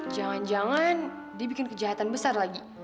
jangan jangan dia bikin kejahatan besar lagi